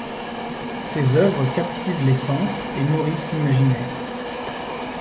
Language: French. Ses œuvres captivent les sens et nourrissent l'imaginaire.